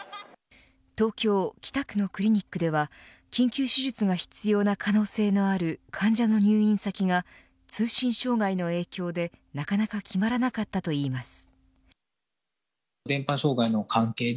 東京、北区のクリニックでは緊急手術が必要な可能性のある患者の入院先が通信障害の影響でなかなか決まらなかったといいます。